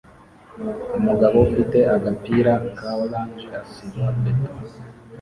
Umugabo ufite agapira ka orange asiba beto